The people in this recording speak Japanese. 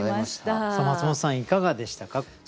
マツモトさんいかがでしたか？